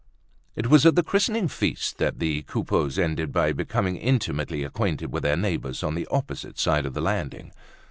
It was at the christening feast that the Coupeaus ended by becoming intimately acquainted with their neighbors on the opposite side of the landing.